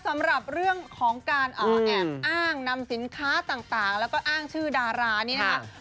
สำหรับเรื่องของการแอบอ้างนำสินค้าต่างแล้วก็อ้างชื่อดารานี้นะคะ